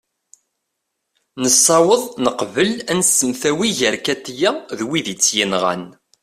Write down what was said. nessaweḍ neqbel ad nsemtawi gar katia d wid i tt-yenɣan